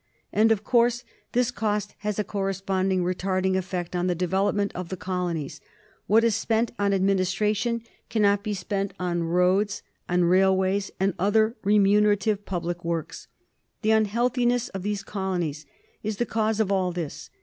And, of course, this cost has a correspond ingly retarding effect on the development of the colonies. What is spent on administration cannot be spent on roads, and railways, and other remunerative public works. The un healthiness of these colonies is the cause of all this.